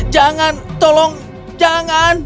jangan tolong jangan